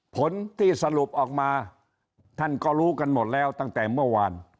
ผลที่สรุปออกมาท่านก็รู้กันหมดแล้วตั้งแต่เมื่อวาน